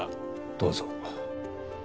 どうぞ。